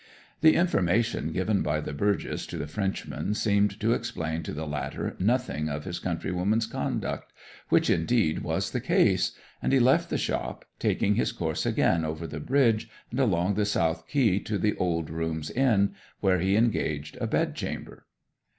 'The information given by the burgess to the Frenchman seemed to explain to the latter nothing of his countrywoman's conduct which, indeed, was the case and he left the shop, taking his course again over the bridge and along the south quay to the Old Rooms Inn, where he engaged a bedchamber.